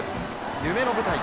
夢の舞台